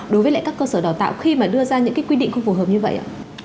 đối với các cơ sở đào tạo khi mà đưa ra những quy định không phù hợp như vậy ạ